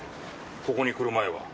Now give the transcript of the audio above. ここに来る前は？